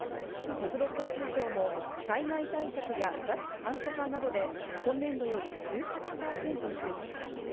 国土交通省も災害対策や脱炭素化などで今年度より１８％増えています。